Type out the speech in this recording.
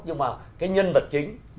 nhưng mà cái nhân vật chính